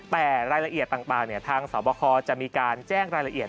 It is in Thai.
แต่รายละเอียดต่างทางสวบคจะมีการแจ้งรายละเอียด